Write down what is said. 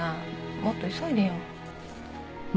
もっと急いでよ。